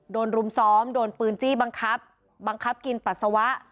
รุมซ้อมโดนปืนจี้บังคับบังคับกินปัสสาวะ